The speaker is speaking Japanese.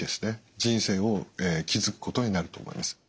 人生を築くことになると思います。